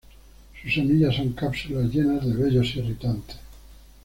Sus semillas son cápsulas llenas de vellos irritantes.